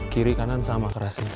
kiri kanan sama kerasnya